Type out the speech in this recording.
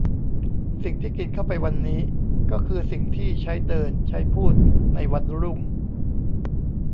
สิ่งที่กินเข้าไปวันนี้ ก็คือสิ่งที่ใช้เดินใช้พูดในวันรุ่ง